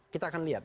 kita akan lihat